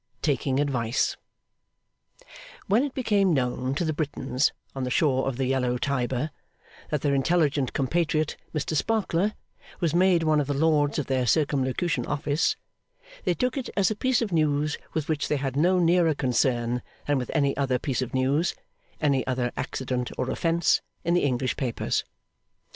Taking Advice When it became known to the Britons on the shore of the yellow Tiber that their intelligent compatriot, Mr Sparkler, was made one of the Lords of their Circumlocution Office, they took it as a piece of news with which they had no nearer concern than with any other piece of news any other Accident or Offence in the English papers.